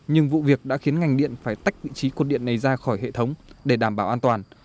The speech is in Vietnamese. nhưng vụ việc đã khiến ngành điện phải tách vị trí cột điện này ra khỏi hệ thống để đảm bảo an toàn